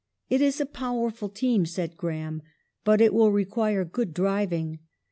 " It is a powerful team," said Graham, " but it will require good driving.